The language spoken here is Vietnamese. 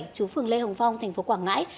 trú phường lê hồng phong thành phố quảng ngãi